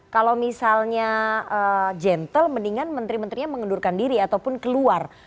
kalau misalnya gentle mendingan menteri menterinya mengundurkan diri ataupun keluar